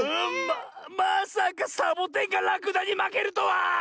まさかサボテンがらくだにまけるとは！